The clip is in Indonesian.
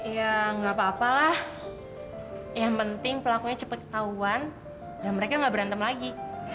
ya nggak apa apa lah yang penting pelakunya cepat ketahuan dan mereka nggak berantem lagi